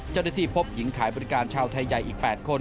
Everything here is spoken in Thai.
เจ้าหน้าที่พบหญิงขายบริการชาวไทยใหญ่อีก๘คน